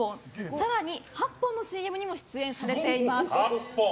更に、８本のＣＭにも出演されています。